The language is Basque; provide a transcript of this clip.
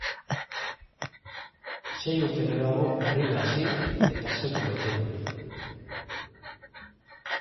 Sei urte geroago, berriro hasi, eta seko maitemindu.